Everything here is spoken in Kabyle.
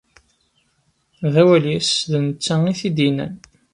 D awal-is, d netta i t-id-yennan.